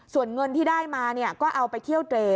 ส่วนเงินที่ได้มาก็เอาไปเที่ยวเตร